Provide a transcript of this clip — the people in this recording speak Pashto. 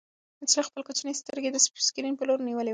نجلۍ خپلې کوچنۍ سترګې د سکرین په لور نیولې وې.